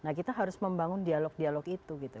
nah kita harus membangun dialog dialog itu gitu